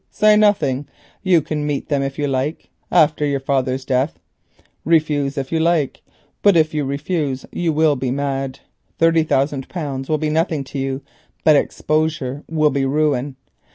Say nothing. You can meet them if you choose after your father's death. Refuse if you like, but if you refuse you will be mad. Thirty thousand pounds will be nothing to you, but exposure will be ruin.